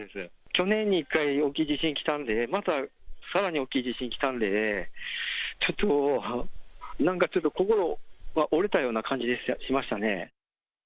去年に１回、大きい地震来たので、またさらに大きい地震来たんで、ちょっと、なんかちょっと心が折れたような感じしましたね。